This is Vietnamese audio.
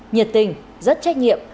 nhiệt tình rất trách nhiệm